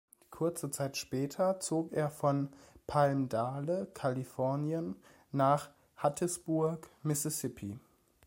Kurze Zeit später zog er von Palmdale, Kalifornien, nach Hattiesburg, Mississippi.